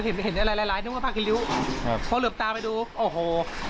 เห็นเห็นอะไรหลายหลายนึกว่าพากี่นิ้วครับพอเหลือบตาไปดูโอ้โห